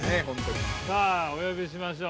さあ、お呼びしましょう。